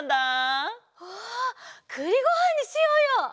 わあくりごはんにしようよ！